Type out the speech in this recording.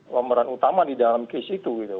pemeran utama di dalam case itu gitu